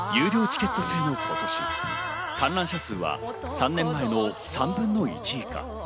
チケット制の今年、観覧者数は３年前の３分の１以下。